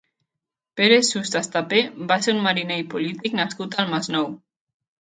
Pere Sust Estapé va ser un mariner i polític nascut al Masnou.